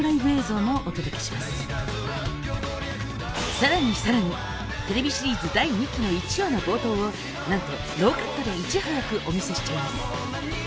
更に更に更にＴＶシリーズ第２期の１話の冒頭をなんとノーカットでいち早くお見せしちゃいます！